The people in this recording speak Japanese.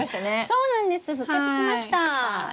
そうなんです復活しました。